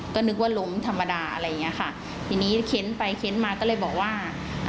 ก็นึกว่าล้มธรรมดาอะไรอย่างเงี้ยค่ะทีนี้เค้นไปเค้นมาก็เลยบอกว่า